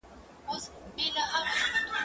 ايا ته مکتب خلاصیږې،